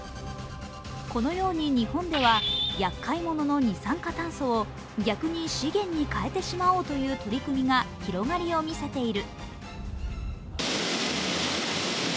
このように日本ではやっかいものの二酸化炭素を逆に資源に変えてしまおうという取り組みが広がりを見せている。